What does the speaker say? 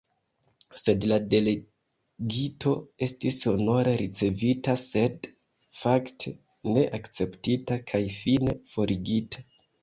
Sed la delegito estis honore ricevita sed, fakte, ne akceptita kaj fine forigita!